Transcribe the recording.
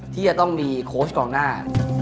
ที่จะต้องมีโค้ชกองหน้า